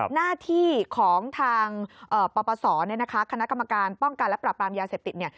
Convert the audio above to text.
หน้าที่ของทางปปศเนี่ยนะคะคณะกรรมการป้องกันและปรับปรามยาเสพติดเนี่ย